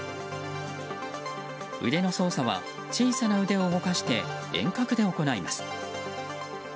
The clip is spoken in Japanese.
腕の操作は、小さな腕を動かして遠隔で行います。